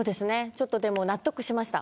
ちょっとでも納得しました